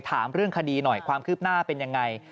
ถามเรื่องคดีหน่อยความคืบหน้าเป็นยังไง